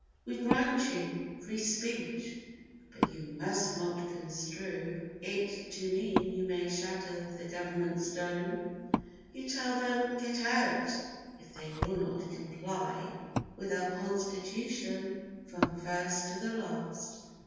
"We grant you 'Free Speech!' but you must not construe It to mean you may shatter the government's dome!" You tell them "Get out!"—if they will not comply With our Constitution from first to the last.